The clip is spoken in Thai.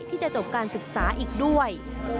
ที่จะจบการศึกษาอีกด้วย